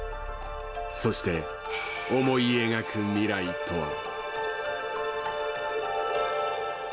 そして、思い描く未来とは。